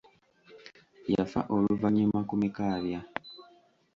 Yafa luvannyuma ku Mikaabya.